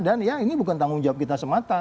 dan ya ini bukan tanggung jawab kita semata